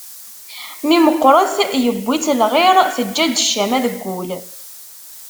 Mi meqqret yewwi-tt lɣir, teǧǧa-d ccama deg ul.